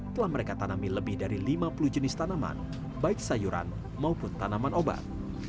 telah mereka tanami lebih dari lima puluh jenis tanaman baik sayuran maupun tanaman obat